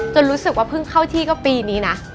รู้สึกว่าเพิ่งเข้าที่ก็ปีนี้นะ